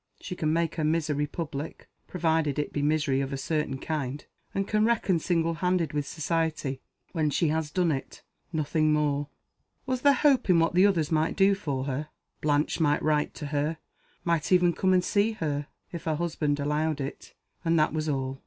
She can make her misery public provided it be misery of a certain kind and can reckon single handed with Society when she has done it. Nothing more. Was there hope in what others might do for her? Blanche might write to her might even come and see her if her husband allowed it; and that was all.